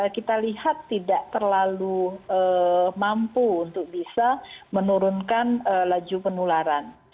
kita lihat tidak terlalu mampu untuk bisa menurunkan laju penularan